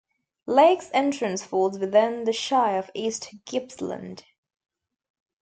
Lakes Entrance falls within the Shire of East Gippsland.